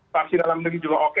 taksi dalam negeri juga oke